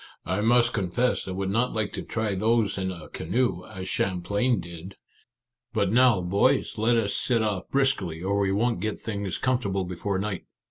" I must confess I would not like to try those in a canoe, as Champlain did ! But now, boys, let us set off briskly, or we won't get things com fortable before night."